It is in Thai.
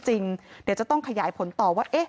เดี๋ยวจะต้องขยายผลต่อว่า